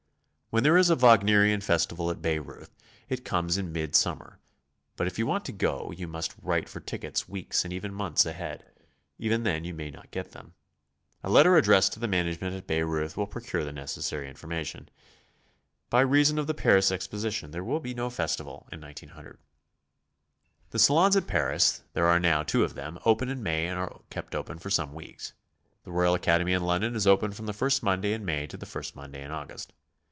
When there is a Wagnerian festival at Bayreuth, it comes in mid summer, but if you want to go you must write for tickets weeks and even months ahead; even then you may no<t get them. A letter addressed to the mianagement at Bayreuth will procure the necessary information. By reason of the Paris Exposition there will be no festival in 1900. The salons at Paris, — there are no'W two of them, — open in May and are kept open for some weeks. The Royal Academy in London is open from the first Monday in May to the first Monday in August.